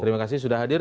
terima kasih sudah hadir